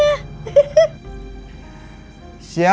siapa yang jasmaninya kurang diberi makan